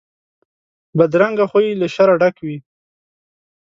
بدرنګه خوی له شره ډک وي